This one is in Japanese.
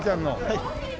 はい。